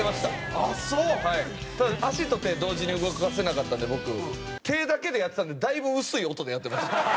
ただ足と手同時に動かせなかったんで僕手だけでやってたんでだいぶ薄い音でやってました。